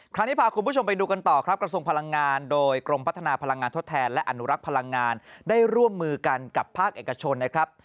คราวนี้พาคุณผู้ชมไปดูกันต่อครับกระทรวงพลังงานโดยกรมพัฒนาพลังงานทดแทนและอนุรักษ์พลังงานได้ร่วมมือกันกับภาคเอกชนนะครับ